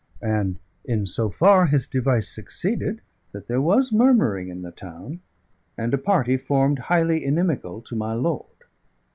And in so far his device succeeded that there was murmuring in the town and a party formed highly inimical to my lord.